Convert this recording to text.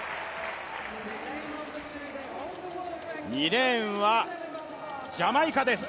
２レーンはジャマイカです。